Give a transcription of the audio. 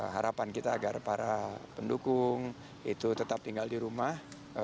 harapan kita agar para pendukung itu tetap tinggal di rumah